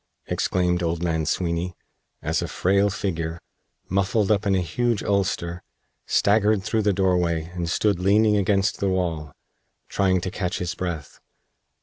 exclaimed old man Sweeny, as a frail figure, muffled up in a huge ulster, staggered through the doorway and stood leaning against the wall, trying to catch his breath.